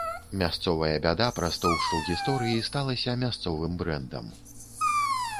Мясцовая бяда праз тоўшчу гісторыі сталася мясцовым брэндам.